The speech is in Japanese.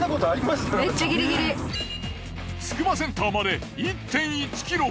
つくばセンターまで１．１ｋｍ。